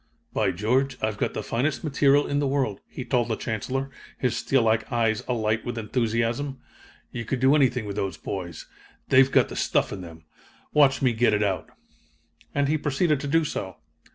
"'By George! I've got the finest material in the world,'" he told the Chancellor, his steel like eyes alight with enthusiasm. 'You could do anything with those boys. They've got the stuff in them! Watch me get it out!' "And he proceeded to do so.